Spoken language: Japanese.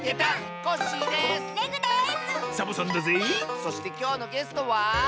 そしてきょうのゲストは。